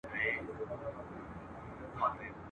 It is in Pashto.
ګوندي خدای مو سي پر مېنه مهربانه !.